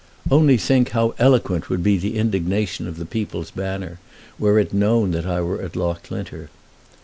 Only think how eloquent would be the indignation of The People's Banner were it known that I was at Loughlinter."